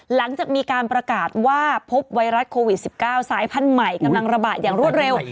หลังจากมีการประกาศว่าพบไวรัสโควิด๑๙สายพันธุ์ใหม่กำลังระบาดอย่างรวดเร็ว